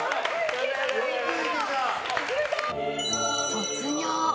卒業。